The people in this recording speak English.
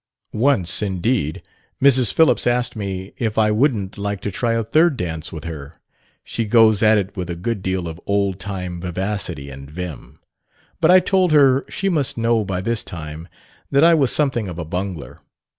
Once, indeed, Mrs. Phillips asked me if I wouldn't like to try a third dance with her (she goes at it with a good deal of old time vivacity and vim); but I told her she must know by this time that I was something of a bungler.